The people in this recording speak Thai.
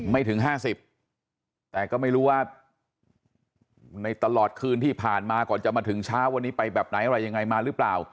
ไม่ถึง๕๐แต่ก็ไม่รู้ว่าในตลอดคืนที่ผ่านมาก่อนจะมาถึงเช้าวันนี้ไปแบบไหนอะไรยังไงมาหรือเปล่า